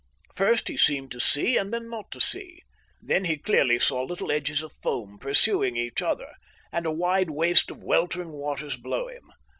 First he seemed to see, and then not to see. Then he saw clearly little edges of foam pursuing each other, and a wide waste of weltering waters below him.